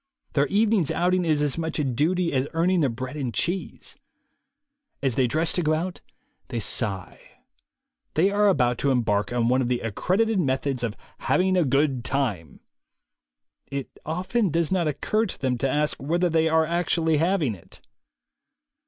Their evening's outing is as much a duty as earning their bread and cheese. As they dress to go out, they sigh. They are about to embark on one of the accredited methods of "having a good time"; it often does not occur to them to ask whether they are actually having it.